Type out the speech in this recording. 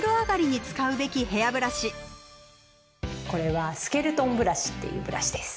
まずはこれはスケルトンブラシっていうブラシです。